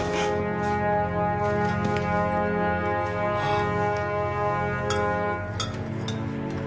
ああ。